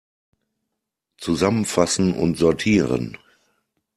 Zusammenfassen und sortieren!